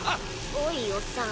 おいおっさん。